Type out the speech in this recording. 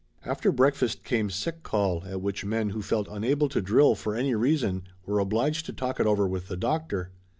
After breakfast came sick call, at which men who felt unable to drill for any reason were obliged to talk it over with the doctor.